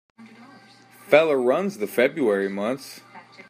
Feller runs the February months.